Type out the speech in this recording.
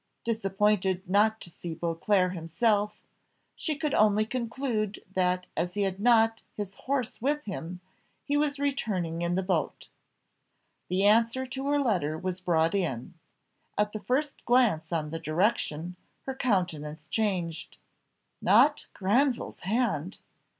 Disappointed not to see Beauclerc himself, she could only conclude that as he had not his horse with him, he was returning in the boat. The answer to her letter was brought in. At the first glance on the direction, her countenance changed. "Not Granville's hand!